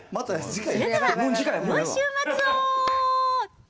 それではよい週末を。